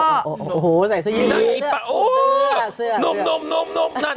โอ้โหใส่เสื้อยืนดูเสื้อ